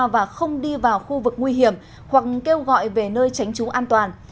và không đi vào khu vực nguy hiểm hoặc kêu gọi về nơi tránh trú an toàn